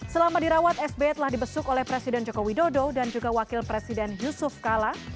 selama dirawat sby telah dibesuk oleh presiden joko widodo dan juga wakil presiden yusuf kala